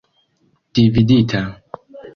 dividita